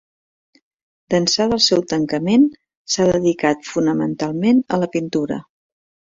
D'ençà del seu tancament, s'ha dedicat fonamentalment a la pintura.